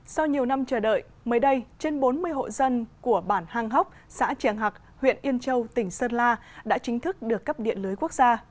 sau nhiều năm chờ đợi mới đây trên bốn mươi hộ dân của bản hàng hóc xã triềng hạc huyện yên châu tỉnh sơn la đã chính thức được cấp điện lưới quốc gia